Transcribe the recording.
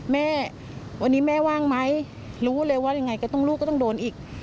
แม่วันนี้แม่ว่างไหมรู้เลยว่ายังไงก็ต้องลูกก็ต้องโดนอีก